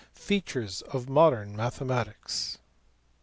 FEATURES OF MODERN MATHEMATICS.